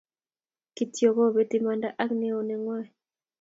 kitoy kobet imanda ak neo nengwai